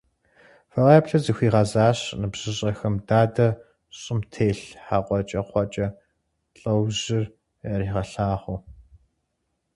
— Фыкъеплъыт! — захуигъэзащ ныбжьыщӀэхэм дадэ, щӀым телъ хьэкӀэкхъуэкӀэ лъэужьыр яригъэлъагъуу.